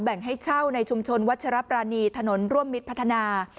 งให้เช่าในชุมชนวัชรปรานีถนนร่วมมิตรพัฒนา